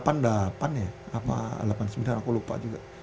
delapan sembilan aku lupa juga